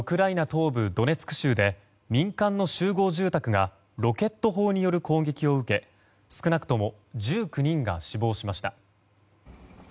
東部ドネツク州で民間の集合住宅がロケット砲による攻撃を受け少なくとも１９人が死亡しました。